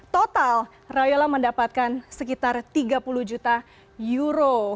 total royola mendapatkan sekitar tiga puluh juta euro